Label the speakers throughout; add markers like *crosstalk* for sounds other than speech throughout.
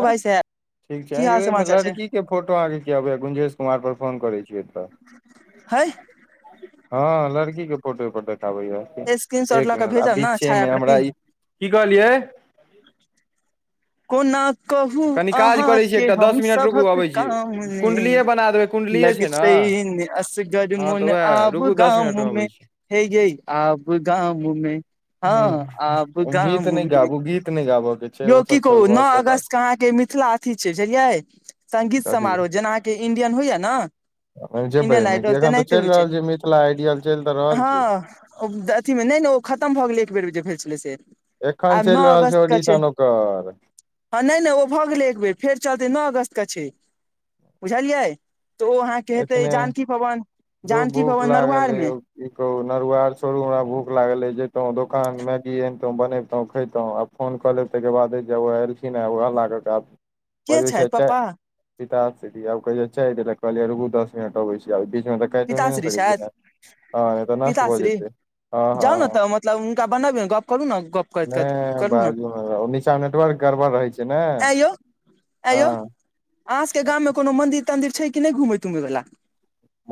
Speaker 1: हँ
Speaker 2: भाइ साहेब
Speaker 1: ठीक छै
Speaker 2: की
Speaker 1: आंय
Speaker 2: हाल
Speaker 1: यौ एहिमे
Speaker 2: समाचार छै
Speaker 1: लड़की फोटो अहाँकेँ के किया आबै य गुंजेश कुमार पर फोन करे छियै तऽ
Speaker 2: हय
Speaker 1: हँ लड़की के फोटोपो देखाबै ह
Speaker 2: स्क्रीन शॉट
Speaker 1: एक
Speaker 2: लऽ के
Speaker 1: मिनट आ
Speaker 2: भेजब ने छाया
Speaker 1: बीचेमे हमरा
Speaker 2: प्रति
Speaker 1: ई की कहलियै
Speaker 2: कोना कहू
Speaker 1: कनि काज करै छी
Speaker 2: अहाँके
Speaker 1: एकटा दस मिनट रुकू
Speaker 2: हमसभक
Speaker 1: अबै छी
Speaker 2: काममे
Speaker 1: कुण्डलिए बना देबै कुण्डलिए छै ने
Speaker 2: लगतै नै असगर
Speaker 1: हँ तऽ
Speaker 2: मन
Speaker 1: उएह
Speaker 2: आब
Speaker 1: रुकू दस मिनट मे
Speaker 2: गाँवमे
Speaker 1: अबै छी
Speaker 2: हे यै आब गाममे हँ आब
Speaker 1: ह गीत नहि
Speaker 2: गाममे
Speaker 1: गाबू गीत नहि गाबय के छै
Speaker 2: यौ
Speaker 1: ओ
Speaker 2: की
Speaker 1: सब
Speaker 2: कहू
Speaker 1: छोड़ू आओर
Speaker 2: नओ
Speaker 1: सब बात
Speaker 2: अगस्तके अहाँके मिथिला अथी छै बुझलियै संगीत
Speaker 1: अथी
Speaker 2: समारोह जेना अहाँके इण्डियन होइए न
Speaker 1: जेबै एहिमे कि एखन तऽ चलि रहल छै मिथिला आइडियल चलि तऽ रहल छै
Speaker 2: ओ अथीमे नहि नहि ओ खत्म भऽ गेलै एक बेर भेल छलै से
Speaker 1: एखन
Speaker 2: आब
Speaker 1: चलि
Speaker 2: नओ
Speaker 1: रहल छै
Speaker 2: अगस्त के
Speaker 1: ऑडिशन ओकर
Speaker 2: हँ नहि नहि ओ भऽ गेलै एक बेर फेर चलते नओ अगस्त के छै बुझलियै तऽ ओ अहाँ के हेतै
Speaker 1: एखने
Speaker 2: जानकी भवन
Speaker 1: धौ
Speaker 2: जानकी
Speaker 1: भूख
Speaker 2: भवन
Speaker 1: लागल
Speaker 2: नरुआर
Speaker 1: अइ
Speaker 2: मे
Speaker 1: यौ की कहु नरुआर छोरू हमरा भूख लागल जैतो दोकान मैगी अनतोँ बनेबतोँ खैंतो आब फोन कऽ लेब ताहिके बादे जब ओह एलखिन हँ उएह लाबत
Speaker 2: के छथि पप्पा
Speaker 1: आध *unintelligible* कहलियै रूकु दस मिनट अबै छै आ बीचमे तऽ काटि नहि
Speaker 2: पिताश्री
Speaker 1: सकैत छी
Speaker 2: छथि
Speaker 1: नहि तऽ नष्ट भऽ
Speaker 2: पिताश्री
Speaker 1: जेतै हँ
Speaker 2: जाउ ने
Speaker 1: हँ
Speaker 2: तऽ मतलब हुनका बनाबी ने गप करु ने गप करैत करैत करु ने
Speaker 1: चा नेटवर्क गड़बड़ रहैत छै ने
Speaker 2: आंय
Speaker 1: हँ
Speaker 2: यौ अहाँ सबके गामं कोनो मदिर तंदिर छै कि नहि घूमै तूमै वला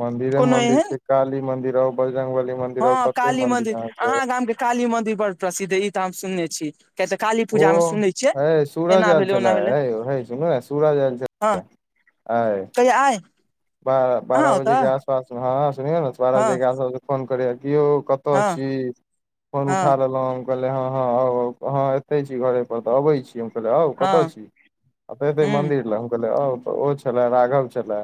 Speaker 1: मंदिरे
Speaker 2: कोनो
Speaker 1: मंदिर
Speaker 2: एहन
Speaker 1: छै काली मंदिर ह बजरंग बली मंदिर आ
Speaker 2: हँ
Speaker 1: कते
Speaker 2: काली
Speaker 1: मंदिर अहाँके
Speaker 2: अहाँ गाम के काली मदिर बड़ प्रसिद्ध हय ई तऽ हम सुनने छी कियातऽ काली
Speaker 1: ओ
Speaker 2: पूजामे सुनै छियै
Speaker 1: है सूरज
Speaker 2: एना
Speaker 1: आयल
Speaker 2: भेलै
Speaker 1: छले
Speaker 2: ओना भेलै
Speaker 1: है यौ है सुनू ने सूरज आयल छल
Speaker 2: हँ
Speaker 1: आय
Speaker 2: कहिया आय
Speaker 1: बारह बारह बजे के आसपास मे हँ सुनियौ ने बारह बजे
Speaker 2: हँ
Speaker 1: के आसपास फोन करिय कि यौ कतऽ
Speaker 2: हँ
Speaker 1: छी फोन उठा
Speaker 2: हँ
Speaker 1: लेलौ कहलै हँ हँउ अहाँ एतै छी घरे पर तऽ अबै छी हम कहलै आउ
Speaker 2: हँ
Speaker 1: कतऽ छी एऽ एतै
Speaker 2: हूँ
Speaker 1: मन्दिर लए हम कहलियै आउ तऽ ओ छलै राघव छलै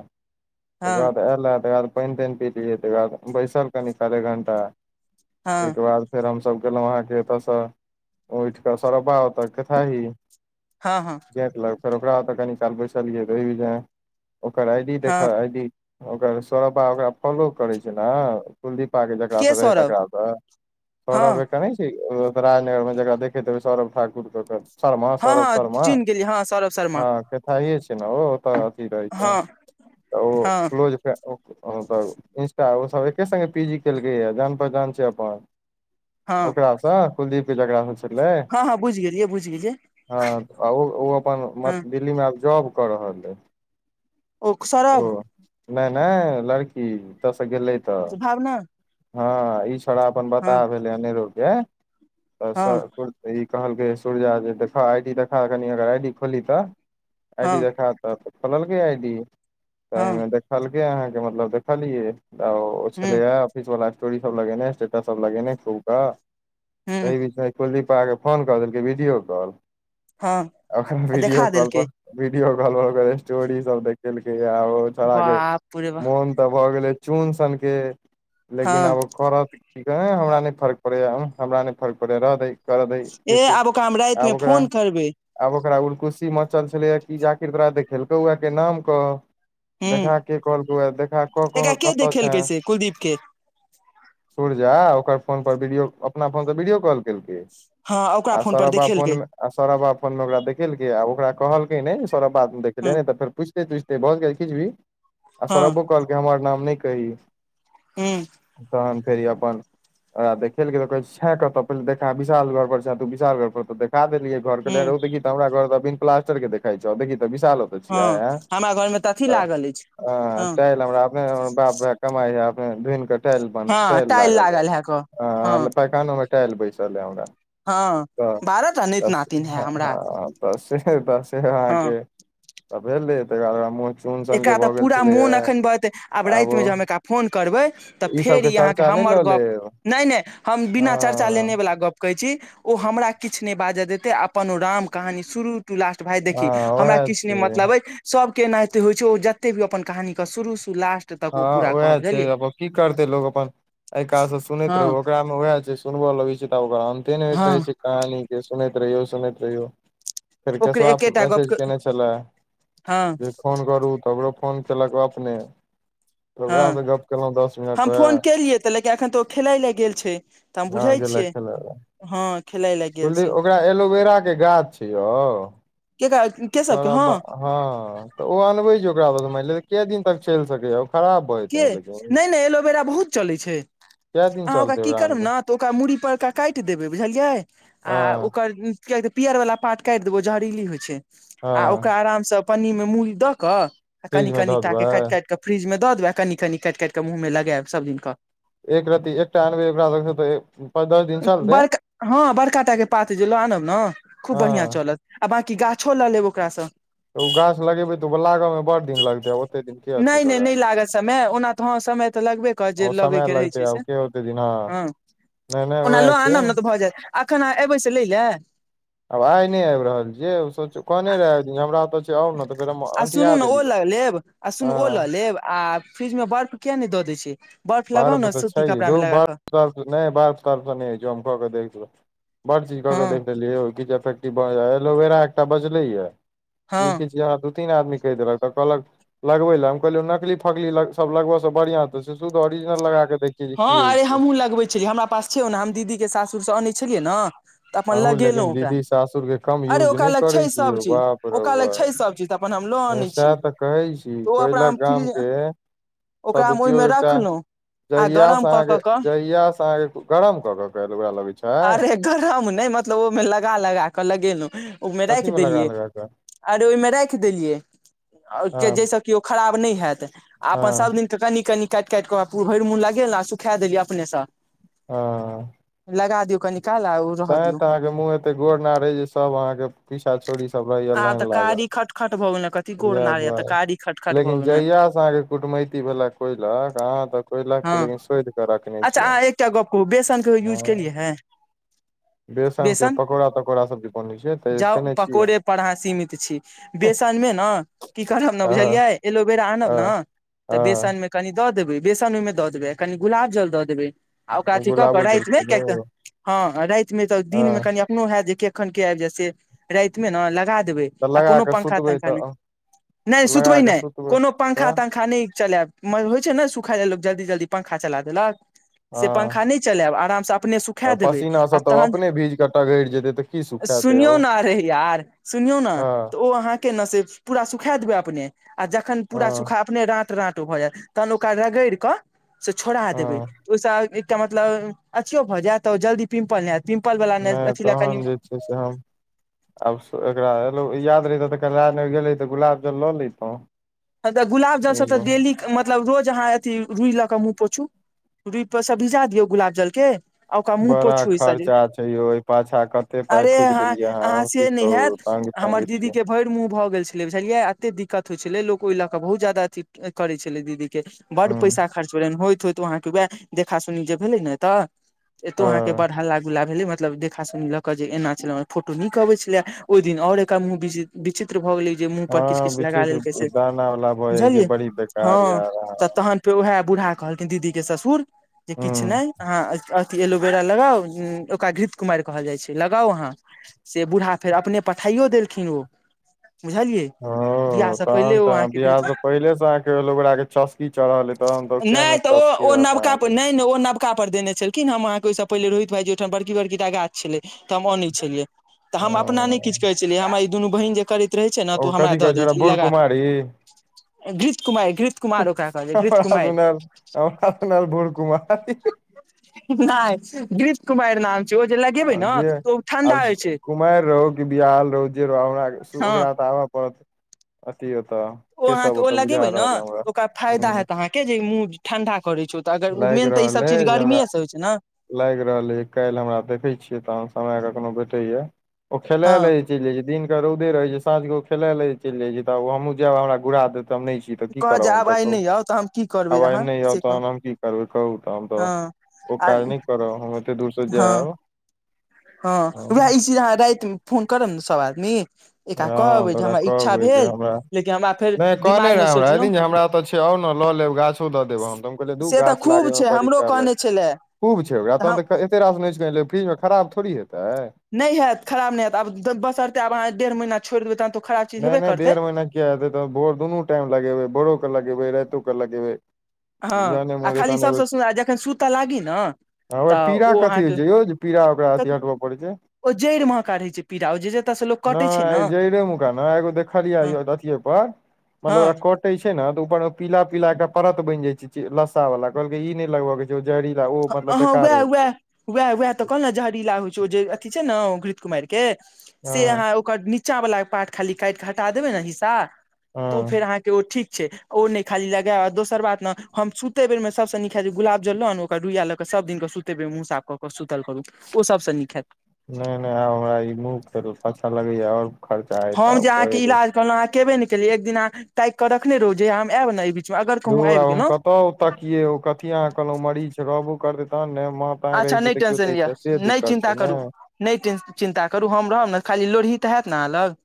Speaker 1: तकर
Speaker 2: हँ
Speaker 1: बाद आयलए तकर बाद पानि तानि पीलियै तकर बाद बैसल कनि सारे घण्टा
Speaker 2: हँ
Speaker 1: तैहिके बाद फेर हमसभ गेलहुँ अहाँके एतऽसँ उठिकऽ सरपा ओतऽ केथाही
Speaker 2: हँ हँ
Speaker 1: जटलक फेर ओकरा अतऽ कनि काल बैसलियैहि बज ओकर आई डी
Speaker 2: हँ
Speaker 1: देखाउ आई डी ओकर सोरपा ओकरा फॉलो करै छै ना कुलदीपा के जेकरा ओतऽ रहे तकराँ
Speaker 2: हँ
Speaker 1: सौरव कहै राजनगर मे जकरा देखैत जेबै सौरभ ठाकुरके ओकर शर्मा
Speaker 2: हँ
Speaker 1: सौरभ
Speaker 2: हँ
Speaker 1: शर्मा
Speaker 2: चिन्ह गेलियै हँ सौरभ शर्मा
Speaker 1: हँ केथाहिए छैय नऽ ओ ओतऽ अथी रहै छै
Speaker 2: हँ
Speaker 1: तऽ ओ
Speaker 2: हँ
Speaker 1: क्लोज फे इंस्टा ओ सब एके संगे पीजी केलकैए जान पहचान छैय अपन
Speaker 2: हँ
Speaker 1: ओकरास कुलदीप के झगड़ा
Speaker 2: हँ हँ बुइझ गेलियै बुइझ गेलियै
Speaker 1: हँ उ उ अपन
Speaker 2: हँ
Speaker 1: दिल्लीमे आब जॉब कऽ रहल हें
Speaker 2: ओ
Speaker 1: ओ
Speaker 2: सौरभ
Speaker 1: नइ नइ लड़की ओत से गेलै तऽ
Speaker 2: अच्छा आउ न
Speaker 1: हँ ई छोड़ा अपन बताह भेलै अनेरो के तऽ
Speaker 2: हँ
Speaker 1: तऽ ई कहलकै सूर्या जे देखऽ आइ डी देखा कनि अगर आइ डी खोलही तऽ आइ डी
Speaker 2: हँ
Speaker 1: देखा तऽ खोललकै आइडी तऽ
Speaker 2: हँ
Speaker 1: एहिमे देखलकै अहाँके मतलब देखलियै ओ छलै
Speaker 2: हूँ
Speaker 1: आब वला स्टोरी सब लगे स्टेटस सब लगेने खूब
Speaker 2: हूँ
Speaker 1: कऽ कुलदीपा के फोन कऽ देलकै वीडियो कॉल
Speaker 2: हँ
Speaker 1: ओखन
Speaker 2: आ
Speaker 1: वीडियो
Speaker 2: देखा
Speaker 1: कॉल पर
Speaker 2: देलकै
Speaker 1: वीडियो कॉल पर स्टोरी सब देखेलकै आ ओ छड़ा के
Speaker 2: बाप रे बाह
Speaker 1: मोन तऽ भऽ गेले चोन सन के लेकिन
Speaker 2: हँ
Speaker 1: आब करत की की कह हमरा नइ फर्क पड़ैय हमरा नइ फर्क पड़ैए रह दैही करऽ दै
Speaker 2: ए
Speaker 1: किछु
Speaker 2: आब ओकरा हम राति मे
Speaker 1: आब ओकरा
Speaker 2: फोन करबै
Speaker 1: आब ओकरा उल्कुस्सी मचल छलैए कि जाकिर तोरा देखेलकौ उएहके नाम कऽ
Speaker 2: हूँ
Speaker 1: देखा के कहलकौ या देखा क
Speaker 2: एकरा के
Speaker 1: कतऽ छै
Speaker 2: देखेलकै से कुलदीप के
Speaker 1: सूरजा ओकर फोनपर वीडिओ अपना फोनसँ वीडियो कॉल केलकै
Speaker 2: हँ ओकरा
Speaker 1: आ
Speaker 2: फोन पर
Speaker 1: सौरब्बा फौन
Speaker 2: देखेलकै
Speaker 1: में आ सौरबा फौन में ओकरा देखेलकै आ ओकरा कहलकै नैय सौरब्बा मे देखले
Speaker 2: हँ
Speaker 1: न फेर पुछ तुझते भ गेल किछु भी आ
Speaker 2: हँ
Speaker 1: सौरभो कहलक हमर नाम नहि कही
Speaker 2: हू
Speaker 1: तहन कहियौ अपन रा देखेलिय तऽ कहे छे कत पल देखा विशाल घर पर छ तू विशाल घर पर तऽ देखा देलियै घर के ले
Speaker 2: हूँ
Speaker 1: रह देखी त *inaudible* हमरा घर तऽ प्लासटर के देखाइ छौ देखही त विशाल ओतऽ छियै
Speaker 2: हँ
Speaker 1: एं
Speaker 2: हमरा घरमे
Speaker 1: तऽ चाह हमरा अपने बाप भाय कमाइ ह अपने धुनि कऽ टेल बन
Speaker 2: हँ
Speaker 1: टैल
Speaker 2: टाइल
Speaker 1: लागल
Speaker 2: है क हँ
Speaker 1: हे पैकानो में टायल बैसल हे हमरा
Speaker 2: हँ
Speaker 1: ह ह
Speaker 2: बारह टा
Speaker 1: *inaudible*
Speaker 2: नाति नातिन है हमरा
Speaker 1: तऽ से तऽ से अह
Speaker 2: हँ
Speaker 1: के भेले तकर बाद चून सन के
Speaker 2: एकरा तऽ
Speaker 1: भऽ गेल
Speaker 2: पूरा
Speaker 1: छलैये
Speaker 2: मोन एखन बतै आब रातिमे जेँ हम एकरा फोन करबै तऽ फेर
Speaker 1: सबके
Speaker 2: ई अहाँके
Speaker 1: चर्चा नहि
Speaker 2: हमर
Speaker 1: लऽ
Speaker 2: गप
Speaker 1: लेब
Speaker 2: नहि नहि हम बिना चर्चा लेने
Speaker 1: हँ
Speaker 2: वला गप कहै छी ओ हमरा किछु नहि बाजऽ देतै आ अपन ओ राम कहानी शुरू टू लास्ट भााय देखी
Speaker 1: हँ
Speaker 2: हमरा
Speaker 1: उएह
Speaker 2: किछु नहि
Speaker 1: छै
Speaker 2: मतलब अ सब के एनाहिते होइ छै जते भी अपन कहानी शुरू शऽ लास्ट तक
Speaker 1: हँ
Speaker 2: ओ पूरा
Speaker 1: उएह
Speaker 2: कहत
Speaker 1: छै
Speaker 2: बुझलियै
Speaker 1: अपन की करतै लोकोग अपन एहि कास से सुनैत रहू
Speaker 2: हँ
Speaker 1: ओकरा मे वएह छैय सुनबल लगी छै त ओकरा अन्ते ने होइत
Speaker 2: हँ
Speaker 1: रहे छैय कहानी के सुनैत रहियो सुनैत रहियौ फर
Speaker 2: ओकरे
Speaker 1: कसो
Speaker 2: एकेटा
Speaker 1: मैसेज
Speaker 2: गप
Speaker 1: केने छलला
Speaker 2: हँ
Speaker 1: फोन करू तकरो फोन केलक अपने तऽ ओकरा
Speaker 2: हँ
Speaker 1: से गप केलहुं दस मिनट
Speaker 2: हम
Speaker 1: वएह
Speaker 2: फोन केलियै तऽ लेकिन एखन तऽ ओ खेलय लए गेल छै तऽ हम
Speaker 1: ह
Speaker 2: बुझै
Speaker 1: ग ल
Speaker 2: छियै
Speaker 1: छल लै
Speaker 2: हँ खेलइ लागि
Speaker 1: कुलदीप ओकरा एलोवेरा के गाछ छै यौ
Speaker 2: के के सबके
Speaker 1: सारा बा
Speaker 2: हँ
Speaker 1: हँ तऽ ओ अनबे छै ओकरा ब मान ले के दिन तक चलि सकै या ओ खराब भऽ जेतै ने
Speaker 2: के
Speaker 1: लेकिन
Speaker 2: नहि नहि एलोवेरा बहुत चलै छै
Speaker 1: कए दिन
Speaker 2: अहाँ ओकरा
Speaker 1: चलतै
Speaker 2: की करू
Speaker 1: अनबै
Speaker 2: ने तऽ ओकरा मूड़ी परक काइट देबै बुझलियै आ
Speaker 1: हँ
Speaker 2: ओकर कआतै पीियर वला पारट काटि देबौ जहरीली होइ छै
Speaker 1: हँ
Speaker 2: आ ओकरा आरामसँ पन्नी में मूरी दऽ कऽ कनि
Speaker 1: फ्रिज मे धऽ
Speaker 2: कनिटा के काइट
Speaker 1: देबै
Speaker 2: काइट के फ्रिजमे दऽ देबै कनि कटि काटि कऽ मुँहमेगायब सभदिन कऽ
Speaker 1: एक रति एकटा अनबै ओकरा तऽ पाँच दस दिन चलतै
Speaker 2: बड़का हँ बरकातगेत पात जे ल आनब ने खूब
Speaker 1: हँ
Speaker 2: बढ़िआँ चलत आ बकी गाछो लऽ लेब ओकरासँ
Speaker 1: तऽ ओ गाछ लगेबै तऽ ओ लागऽमे बड् दिन लगतै ओतेक दिन के अथी
Speaker 2: नहि नहि
Speaker 1: करय
Speaker 2: लागत समय नहि ओना तऽ हँ समय तऽ लगबे कर जे
Speaker 1: ओ समय
Speaker 2: लगैके रहै
Speaker 1: लगतै
Speaker 2: छै
Speaker 1: आब
Speaker 2: से
Speaker 1: के ओते दिन
Speaker 2: हँ
Speaker 1: नहि नहि उह
Speaker 2: ओना
Speaker 1: अ
Speaker 2: लऽ
Speaker 1: छै
Speaker 2: आनब ने तऽ भऽ जायत अखन अ एबै से लै लए
Speaker 1: आब आइ नहि आबि रहल जे सोच कने रह हमरा ओ
Speaker 2: आ सुनू ने ओ लऽ लेब आ सुनू
Speaker 1: हँ
Speaker 2: ओ लऽ लेब आ फ्रिज मे बर्फ किया नहि दऽ दय छै बर्फ लगाउ ने सूती कपड़ा मे लगाकऽ
Speaker 1: ब के देख ब चीज क के
Speaker 2: हँ
Speaker 1: देखौ एलोवेरा एकटा बजले या ई
Speaker 2: हँ
Speaker 1: तीन आदमी क देलकल लगे ल कह नकली फकली लगबे से बढ़िया ओरिजनाल लगाकेै
Speaker 2: हँ अरे हमहूँ लगबै छलियै हमरा पास छियौ ने हम दीदीे सासुर से अनै छलियै ने तऽ अपन
Speaker 1: अहूँ
Speaker 2: लगेलहुँ
Speaker 1: लेकिन
Speaker 2: ओकरा
Speaker 1: दीदी सासुरके कम
Speaker 2: अरे
Speaker 1: यूज
Speaker 2: ओकरा
Speaker 1: नहि
Speaker 2: लग
Speaker 1: करै
Speaker 2: छै
Speaker 1: छिय
Speaker 2: सभ
Speaker 1: यौ
Speaker 2: चीज
Speaker 1: बाप रौ
Speaker 2: ओकरा लग छै सभ चीज तऽ अपन हम लऽ
Speaker 1: बाप
Speaker 2: अनै
Speaker 1: सएह
Speaker 2: छी
Speaker 1: तऽ कहै छी
Speaker 2: तऽ ओ ओकरा
Speaker 1: कोयला
Speaker 2: हम फ्रिज
Speaker 1: गामके
Speaker 2: ओकरा हम
Speaker 1: सदुपयोग
Speaker 2: ओहिमे
Speaker 1: एकटा
Speaker 2: रखलहुँ आ गरम
Speaker 1: जहियासँ
Speaker 2: कऽ कऽ
Speaker 1: अहाँके
Speaker 2: के
Speaker 1: जहियासँ अहाँके गरम कऽ कऽ काल ओकरा लगैत छै
Speaker 2: अरे गरम नहि मतलब ओहिमे लगा लगा कऽ लगेलहुँ ओहिमे
Speaker 1: कथी
Speaker 2: राखि
Speaker 1: मे लगा
Speaker 2: देलियै
Speaker 1: लगा कऽ
Speaker 2: अरे ओहिमे राखि देलियै
Speaker 1: हँ
Speaker 2: जाहिसँ कि ओ खराब नहि हैत आ अपन
Speaker 1: हँ
Speaker 2: सभ दिननके कनि कनि काटि काटि कऽ हरि मन लागे ने आ सुखा देेलियै अपनेसँ
Speaker 1: ह
Speaker 2: लगा दियऔ कनि काल आउ
Speaker 1: तैं तऽ अहाँके मुँह एते गोड़ना रहे जे सब अहाँके पीछा छोड़री सब रहैया
Speaker 2: आब तऽ
Speaker 1: लाइन लागल
Speaker 2: कारी खटखट भ गेल ने की गोड़ नारे तऽाड़ी खटखट भऽ गेल
Speaker 1: जहियास से अहाँके कुटमैती भेला कोयलक अहाँ तऽ कोयलक के
Speaker 2: हँ
Speaker 1: लेकिन शोध के रखने
Speaker 2: अच्छा
Speaker 1: छियै
Speaker 2: अहाँ एकटा गप कहू बेसनके यूज
Speaker 1: हँ
Speaker 2: केलियै है
Speaker 1: के
Speaker 2: बेसन
Speaker 1: पकौड़ा तकौड़ा सब जे बनै छै तऽ
Speaker 2: जाउ
Speaker 1: खेने छियै
Speaker 2: पकौड़े पर अहाँ सीमित छी बेसनमे ने की करब ने
Speaker 1: हँ
Speaker 2: बुझलियै एलोवेरा आनब न
Speaker 1: हँ हँ
Speaker 2: कनि दऽ देबै बेसन ओहिमे दऽ देबै कनि गुलाब जल दऽ देबै आ काथिक
Speaker 1: गुलाबो
Speaker 2: करा ऐत ने
Speaker 1: जलखिन
Speaker 2: क
Speaker 1: ओ
Speaker 2: हँ राति मे तऽ दिन में
Speaker 1: हँ
Speaker 2: कनिखनो हयत जे केखन के आबि जाय से राति मे ने लगा देबे
Speaker 1: तऽ
Speaker 2: आ
Speaker 1: लगा
Speaker 2: कोनो
Speaker 1: कऽ
Speaker 2: पंखा
Speaker 1: सुतबै
Speaker 2: तंखा नहि
Speaker 1: तऽ
Speaker 2: नहि
Speaker 1: लगा
Speaker 2: सुतबै
Speaker 1: कऽ
Speaker 2: नहि
Speaker 1: सुतबै
Speaker 2: कोनो पंखा
Speaker 1: तऽ
Speaker 2: तंखा नहि चलयब मन होइ छै ने सुखालो लोक जल्दी जल्दी पंखा चला देलक से
Speaker 1: हँ
Speaker 2: पंखा नहि चलायब आरामसँ अपने
Speaker 1: तऽ
Speaker 2: सुखा देबै
Speaker 1: पसीना
Speaker 2: आ
Speaker 1: सब तऽ
Speaker 2: तहन
Speaker 1: अपने भीज कऽ टघरि जेतै तऽ की सुखेतै आ
Speaker 2: सुनियौ
Speaker 1: ओ
Speaker 2: ने करे यार सुनियौ ने
Speaker 1: हँ
Speaker 2: तऽ ओ अहाँके ने से पूरा सुखा देबए अपने आ जखन पूरा
Speaker 1: हँ
Speaker 2: सूखा अपने राँट राँट भऽ जायत तखन ओकरा रगड़ि कऽ से छोड़ा देबै
Speaker 1: हँ
Speaker 2: ओसभ एकटा मतलब अथियो भऽ जायत जल्दी पिम्पल नहि हयत पिम्पल वाला अथी लए कनि
Speaker 1: अचच्ाँ आब एकराो याद रहहित तऽा गेलै तऽ गुलाब जल लऽ लेतहुँ
Speaker 2: तऽ गुलाब जल तऽ ेली मतलब रोज अहाँ अथी रुइ लऽ कऽ मुँह पोछु रुइ पर से भिजा दियौ गुलाब जल के आ ओकरा मुह
Speaker 1: बड़ा
Speaker 2: पोछुइ सजे
Speaker 1: खर्चा छै यौ ओहि पाछा कते पाइ
Speaker 2: अरे
Speaker 1: फूकि देलियै
Speaker 2: अहाँ
Speaker 1: हम की
Speaker 2: से नहि
Speaker 1: कहू
Speaker 2: हैत
Speaker 1: तंग
Speaker 2: हमर
Speaker 1: तंग
Speaker 2: दीदी
Speaker 1: छियै
Speaker 2: के भरि मुंह भऽ गेल छै े छलियै एते दिक्कत होइ छलै लोक ओहि लऽ कऽ बहुत जादा अथी करै छलै दीदी के बड
Speaker 1: हूँ
Speaker 2: पैसा खर्च होलै होइत होइत वहाँके वएह देखा सुनी जे भेले ने तऽ एतो अहाँके
Speaker 1: हँ
Speaker 2: बड़ हल्ला गुला भेलै मतलब देख खासुनी लऽ कऽ जे एना छल फोटो नीक अबैत छलै ओहि दिन आओर एकर मूवी विचित्र भऽ गेलै जे मुँह पर किछु किछु लगा लेलकै से
Speaker 1: खना वला भ जाय छै
Speaker 2: बुझलियै
Speaker 1: बड़ी बेकार
Speaker 2: हँ
Speaker 1: य
Speaker 2: तऽ तहन फेर उएह बूढ़ा कहलखिन दीदी के ससुर जे किछु
Speaker 1: हूँ
Speaker 2: नहि अहाँ अथी एलोवेरा लगाउ ओकरा घृत कुमारि कहल जाइ छै लगाउ अहाँ से बूढ़ा फेर अपने पठाइयो देलखिन ओ बुझलियै बियाह से पहिलो य
Speaker 1: बिहा से पहिले से के चस्की चढ़ल हे तहन त किया ने
Speaker 2: नहि तऽ ओ
Speaker 1: चस्की
Speaker 2: ओ
Speaker 1: रहत
Speaker 2: नवका
Speaker 1: अहाँ
Speaker 2: पर
Speaker 1: के
Speaker 2: नहि ओ नबका पर देने छलिन हम अहाँकेँ ओहि से पहिले रोहित भाईजी ओहिठाम बड़ी बड़कीटा गाछ छलैया छलै तऽ हम अन छलियै तऽ हम अपना नहि किछु कहै छलियै हमरा ई दुनू बहिन जे करैत रहै छै ने त उ हमरा दऽ दै छै ई लगा
Speaker 1: अरे
Speaker 2: घृीत कुमार घृीत कुमार ओकरा कहल
Speaker 1: हमरा
Speaker 2: जाय छै
Speaker 1: सुनायल हमरा सुनायल भूर कुमारी
Speaker 2: घिरित कुमारि नहि घिरित कुमारि नाम छै ओ जे लगेबै न
Speaker 1: जे
Speaker 2: तऽ ओ ठंडा
Speaker 1: आब
Speaker 2: रहैछै
Speaker 1: कुमारि रहु कि बियाहल रहु जे रहु हमरा
Speaker 2: हँ
Speaker 1: ओकरा तऽ आबय पड़त अथी ओतऽ
Speaker 2: ओ अहाँके
Speaker 1: केशव
Speaker 2: ओ
Speaker 1: ओतऽ बुझा रहल हमरा ह
Speaker 2: के जे मुह ठंडा करै छौ तऽ अगर ओ
Speaker 1: लागि
Speaker 2: मेन तऽ
Speaker 1: रहल
Speaker 2: ईसभ
Speaker 1: हे
Speaker 2: चीज
Speaker 1: जे हमरा
Speaker 2: गर्मीए से होइ छै ने
Speaker 1: लागि रहल अ काल्हि हमरा देखैत छियै तहन समय कखनो भेटैया ओ खेलाय ल
Speaker 2: हँ
Speaker 1: चलि जाय छै दिन के रौदे रहे छै साँझक खेलाय ले चलि जाय छै त हमहुँ जायब हमरा घुरा दे त हम छी तऽ की
Speaker 2: कहत
Speaker 1: कर
Speaker 2: जे आब आइ
Speaker 1: त
Speaker 2: नहि आउ तऽ हम की करबै
Speaker 1: आवाज
Speaker 2: अहाँ
Speaker 1: नहि आ
Speaker 2: से
Speaker 1: त
Speaker 2: कह
Speaker 1: न की कहू तऽ हम तऽ
Speaker 2: हँ
Speaker 1: ओ
Speaker 2: आ
Speaker 1: काज नहि करब हम एते दूर से
Speaker 2: हँ
Speaker 1: जाब
Speaker 2: हँ उएह ई चीज अहाँ राति फोन करब ने सब आदमी
Speaker 1: ह
Speaker 2: एकरा कहबै जे
Speaker 1: तोरा
Speaker 2: हमरा इच्छा
Speaker 1: कहबै जे
Speaker 2: भेल
Speaker 1: हमरा
Speaker 2: लेकिन हमरा फेर
Speaker 1: नहि कहने
Speaker 2: दिमागमे
Speaker 1: रहे हमरा एक
Speaker 2: सोचलहुँ
Speaker 1: दिन जे हमरा आउ ने लऽ लेब गाछो द देब हम कहलिय दू
Speaker 2: से तऽ
Speaker 1: गाछ
Speaker 2: खूब
Speaker 1: लाके मे
Speaker 2: छै
Speaker 1: बड़ी
Speaker 2: हमरो
Speaker 1: काल
Speaker 2: कहने छले
Speaker 1: खूब छै ओकरा तहन तऽ एतेक रास नहि छै ल फ्रिजमे खराब थोड़ी हेतै
Speaker 2: नहि हयैत खराब नहि हैत आब बसरते आब अहाँ डेढ़ महीना छोड़ि देबै तहन तऽ खराब चीज
Speaker 1: नहि
Speaker 2: हेबे
Speaker 1: नहि
Speaker 2: करतै
Speaker 1: डेढ़ महिना किए हेतै तऽ भोर दुनू टाइम लगेबै भोरोके लगेबै रातियोकेँ लगेबै
Speaker 2: हँ
Speaker 1: जहने
Speaker 2: आ
Speaker 1: मोन हेतै
Speaker 2: खाली सभसँ सुन जखन सुता लागी ने
Speaker 1: र
Speaker 2: तऽ
Speaker 1: पीरा
Speaker 2: ओ
Speaker 1: कथी
Speaker 2: अहाँके
Speaker 1: होइत छै यौ जे पीरा ओकरा अथी हटबय पड़ैत छै
Speaker 2: ओ जड़ि महका रहै छै पीरा ओ जे जतयसँ लोक
Speaker 1: नहि
Speaker 2: कटै छै
Speaker 1: आइ
Speaker 2: ने
Speaker 1: जड़े मुका एगो देखलिय
Speaker 2: हँ
Speaker 1: अथीये पर
Speaker 2: हँ
Speaker 1: कटे छै ने तऽ ऊर पीला पीलाके परत बनि जाय छै लस्सा वाला कहलक ई नहि लगब के छै जहड़ीला ओ मतलब बेकार होइ छै
Speaker 2: वएह उएह तऽ कहल ने जहरीला होय छै ओ जे अथी छै ने घृत कुमारि के से
Speaker 1: हँ
Speaker 2: अहाँ नीचा बला पाठ काटि के हटा देबेन
Speaker 1: हँ
Speaker 2: ओ ठीक छै ओ नहि खाली लगायब दोसर बात ने हम सुते बेर मे सबसँ नीक हा जे गुलाब जलन ओ रुइआ लऽ कऽ सभ दिनके सुतेबै मुँह साफ कऽ कऽ सुतल करू ओ सभसँ नीक हैत
Speaker 1: नहि नहि आब हमरा ई मुहल अचछा लगैया आओर खर्चा हेत
Speaker 2: हम जे
Speaker 1: आब
Speaker 2: अहाँके
Speaker 1: करे दै
Speaker 2: इलाज कहलहुँ अहाँ केबे नहि केलियै एक दिन अहाँ ताकिकऽ रखने रहौ जे हम आयब ने बीचमे अगर कहूँ
Speaker 1: दुर
Speaker 2: आबि
Speaker 1: आब हम
Speaker 2: गेलहुँ
Speaker 1: कतऽ ओतऽ ये कथी अहाँ कहलहुँ मरीज रहबो करतै तहन ने
Speaker 2: अच्छा
Speaker 1: मऽ
Speaker 2: नहि टेंशन लिअ
Speaker 1: से
Speaker 2: नहि
Speaker 1: दिक्कत
Speaker 2: चिन्ता
Speaker 1: छै ने
Speaker 2: करू नहि चिन्ता करू हम रहब ने खाली लोढ़ी तऽ हयैत ने अहाँ लग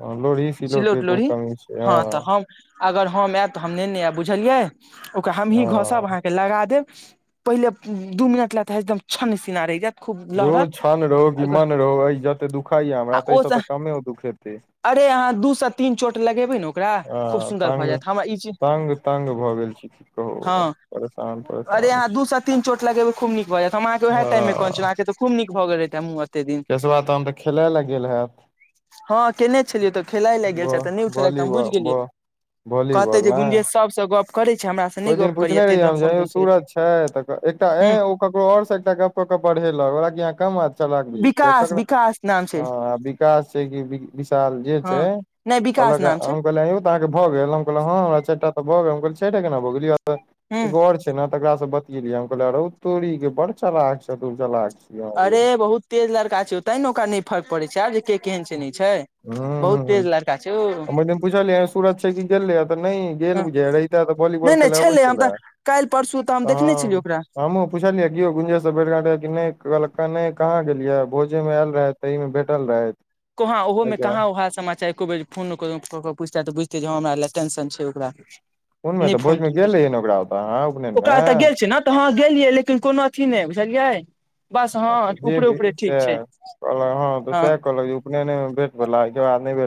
Speaker 1: हँ लोढी सिलोट
Speaker 2: सिलौट
Speaker 1: कोन
Speaker 2: लोढ़ी
Speaker 1: कमी हो छै
Speaker 2: हँ तऽ हम अगर हम आयब तऽ हम नेने आयब बुझलियै ओकरा हमही घसब
Speaker 1: हँ
Speaker 2: अहाँके लगा देब पहिले दू मिनट लेता है एकदम छन सीना रहै जात
Speaker 1: रो छन रहौ किमन रहौ एहि जते दुखइया हमरा
Speaker 2: आ ओ
Speaker 1: ताहिसँ
Speaker 2: से
Speaker 1: तऽ कमे दुख हेतै
Speaker 2: अरे अहाँ दू से तीन चोट लगेबे ने ओकरा
Speaker 1: ह
Speaker 2: खूब सुन्दर
Speaker 1: तग
Speaker 2: भऽ जायत हमरा ई चीज
Speaker 1: ताग तंग भऽ गेल छी की
Speaker 2: हँ
Speaker 1: कहू परेशान
Speaker 2: अरे
Speaker 1: परेशान
Speaker 2: यहा
Speaker 1: छी
Speaker 2: दू सॅं तीन चोट लगेबे खूब नीक भऽ जैत हम अहाँ के उहे टाइम मे कहि
Speaker 1: हँ
Speaker 2: छलु खुब निक है गेल रहता मुंह अते निक
Speaker 1: केशवा तहन तऽ खेलाय लए गेल हैत
Speaker 2: हँ केयने छलियै तो खेला लए गेल
Speaker 1: ब
Speaker 2: छै तऽ नहि उठेलक तऽ हम बुझ
Speaker 1: वॉलीबॉल ब
Speaker 2: कहते
Speaker 1: वॉलीबॉल
Speaker 2: जे
Speaker 1: ने
Speaker 2: गुंजेश सबसँ गप करै छै हमरा
Speaker 1: ओहि दिन पुछने रहियै हम जे यौ सूरज छै तऽ एकटा
Speaker 2: हूँ
Speaker 1: ककरो ओरसँ एकटा गप कऽ केऽ बढ़ेलक ओक कि अहाँ कम अऽ चल बुझित छिय
Speaker 2: विकास
Speaker 1: करा
Speaker 2: विकास नाम छै
Speaker 1: हॅं विकास छै कि विशाल जे
Speaker 2: हँ
Speaker 1: छै
Speaker 2: नहि विकास
Speaker 1: कहलक
Speaker 2: नाम छै
Speaker 1: हम कहल यो भऽ गेल हम कहलू हॅं चारिटा तऽ भ गेल केना भऽ गेल
Speaker 2: हूँ
Speaker 1: एोओर तकरा से बतियेलि हम कहले रो तोरी के बड़ चालाक चतुर चलाक छियह
Speaker 2: अरे
Speaker 1: यौ
Speaker 2: बहुत तेज लड़का छै ओते ने ओकरा नहि फर्क पड़ै छै आर जे के केहन छै नहि छै बहुत तेज लड़का छैयो
Speaker 1: म त पुछलियै सूरत छै कि गेल रहे तऽ नहि गेल
Speaker 2: ह
Speaker 1: बुझे रहिताे तऽ
Speaker 2: नहि
Speaker 1: वॉलीबॉल
Speaker 2: नहि
Speaker 1: खेलय अबै
Speaker 2: छलै हम
Speaker 1: छलए
Speaker 2: तऽ काल्हि परसू तऽ हम देखने छलियै ओकरा
Speaker 1: पूछलियै कि ओ गुंजा सब भेट रहे किी नहि कहलक नहि कहाँ गेलिये भोजे मे आयल रहे त ई मे भेटल रहे
Speaker 2: कहाँ ओहोमें कहाँ वहाँ समाचार एको बेर फोन पुछते तऽ बुझतै जे हँ हमरा लए टेंशन छै ओकरा
Speaker 1: कोनमे
Speaker 2: नहि
Speaker 1: तऽ
Speaker 2: फोन
Speaker 1: भोजमे
Speaker 2: तोन कर
Speaker 1: गेल रहहि ने ओकरा ओ तऽहाँ
Speaker 2: ओकरा
Speaker 1: उपनयनमे
Speaker 2: एतऽ गेल छै ने तऽ हाँ गेलियै लेकिन कोनो अथी नहि बुझलियै बस हँ
Speaker 1: जे
Speaker 2: ऊपरे
Speaker 1: भी
Speaker 2: ऊपरे
Speaker 1: से
Speaker 2: ठीक छै
Speaker 1: कहलक हँ तऽ सएह कहलक उपनेने भेट बला एहिके बाद नहिे भेट